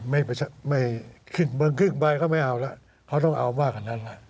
เมืองครึ่งใบเขาไม่เอาล่ะเขาต้องเอามากกว่านั้นล่ะ